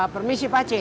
permisi pak c